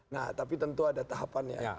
nah tapi tentu ada tahapan ya